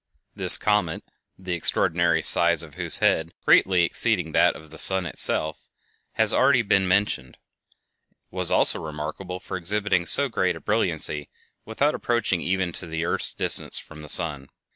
This comet, the extraordinary size of whose head, greatly exceeding that of the sun itself, has already been mentioned, was also remarkable for exhibiting so great a brilliancy without approaching even to the earth's distance from the sun.